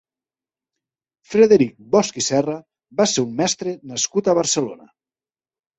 Frederic Bosch i Serra va ser un mestre nascut a Barcelona.